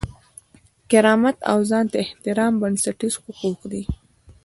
کرامت او ځان ته احترام بنسټیز حقوق دي.